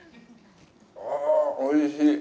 ああ、おいしい。